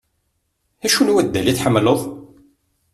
D acu n waddal i tḥemmleḍ?